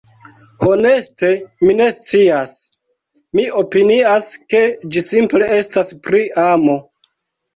Honeste mi ne scias. Mi opinias, ke ĝi simple estas pri amo.